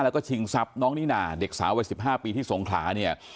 แล้วก็ชิงทรัพย์น้องนี่นาเด็กสาววัยสิบห้าปีที่ทรงขาเนี่ย